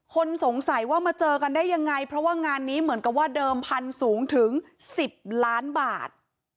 คนสงสัยว่ามาเจอกันได้ยังไงเพราะว่างานนี้เหมือนกับว่าเดิมพันธุ์สูงถึง๑๐ล้านบาท